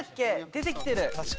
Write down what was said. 出てきてる。